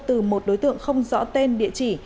tăng đối tượng không rõ tên địa chỉ